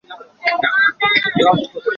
短吻吻鳗为糯鳗科吻鳗属的鱼类。